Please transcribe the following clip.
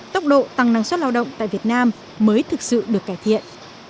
tốc độ tăng năng suất lao động tại việt nam mới thực sự được cải thiện